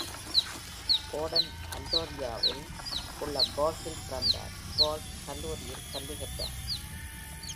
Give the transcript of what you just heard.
வோர்டன், அண்டாரியோவில் உள்ள Guelph-ல் பிறந்தார், Guelph கல்லூரியில் கல்வி கற்றார்.